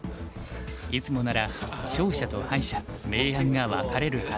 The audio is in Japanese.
いつもなら勝者と敗者明暗が分かれるはず。